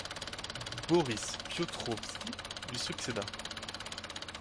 Boris Piotrovski lui succéda.